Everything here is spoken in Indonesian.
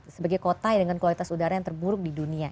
sebagai kota yang dengan kualitas udara yang terburuk di dunia